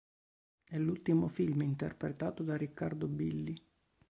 È l'ultimo film interpretato da Riccardo Billi.